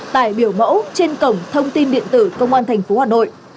tại biểu mẫu trên cổng thông tin điện tử công an thành phố hà nội